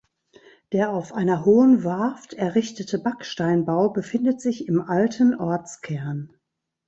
Der auf einer hohen Warft errichtete Backsteinbau befindet sich im alten Ortskern.